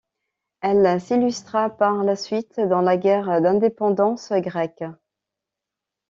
Elle s'illustra par la suite dans la guerre d'indépendance grecque.